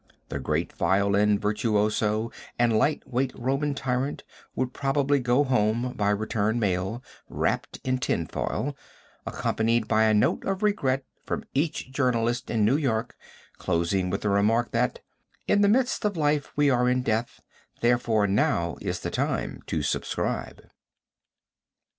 The great violin virtuoso and light weight Roman tyrant would probably go home by return mail, wrapped in tinfoil, accompanied by a note of regret from each journalist in New York, closing with the remark, that "in the midst of life we are in death, therefore now is the time to subscribe."